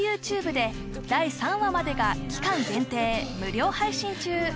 ＹｏｕＴｕｂｅで第３話までが期間限定無料配信中